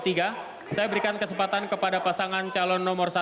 saya berikan kesempatan kepada pasangan calon nomor satu